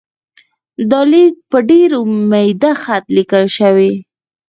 دا لیک په ډېر میده خط لیکل شوی.